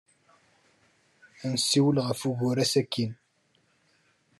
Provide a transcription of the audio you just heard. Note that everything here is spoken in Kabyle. Ad nessiwel ɣef wugur-a sakkin.